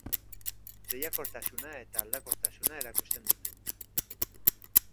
Lehiakortasuna eta aldakortasuna erakusten ditu.